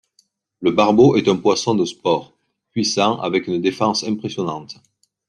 Le barbeau est un poisson de sport, puissant, avec une défense impressionnante.